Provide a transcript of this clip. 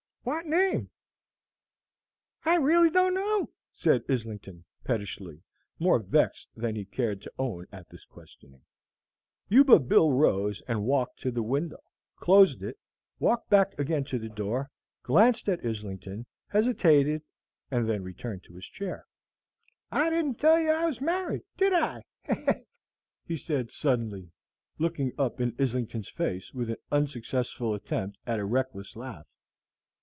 "Wot name?" "I really don't know," said Islington, pettishly, more vexed than he cared to own at this questioning. Yuba Bill rose and walked to the window, closed it, walked back again to the door, glanced at Islington, hesitated, and then returned to his chair. "I didn't tell you I was married did I?" he said suddenly, looking up in Islington's face with an unsuccessful attempt at a reckless laugh.